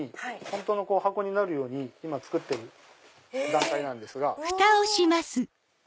本当の箱になるように今作ってる段階なんです。